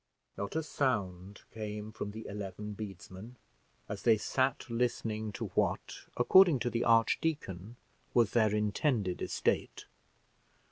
Not a sound came from the eleven bedesmen, as they sat listening to what, according to the archdeacon, was their intended estate.